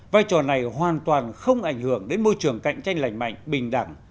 vai trò này hoàn toàn không ảnh hưởng đến môi trường cạnh tranh lành mạnh bình đẳng